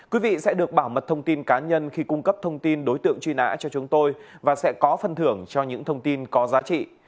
quý vị sẽ được bảo mật thông tin cá nhân khi cung cấp thông tin đối tượng truy nã cho chúng tôi và sẽ có phân thưởng cho những thông tin có giá trị